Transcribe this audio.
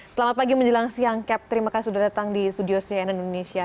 selamat pagi menjelang siang cap terima kasih sudah datang di studio cnn indonesia